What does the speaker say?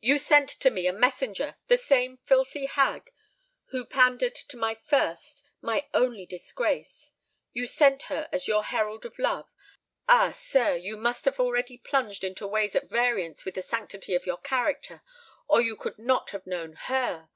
You sent to me a messenger—the same filthy hag who pandered to my first, my only disgrace,—you sent her as your herald of love. Ah! sir, you must have already plunged into ways at variance with the sanctity of your character—or you could not have known her!